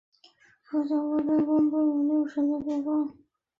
佛教各部派共同都有六识的学说。